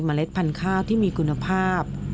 เล็ดพันธุ์ข้าวที่มีคุณภาพ